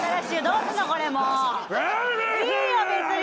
いいよ別に。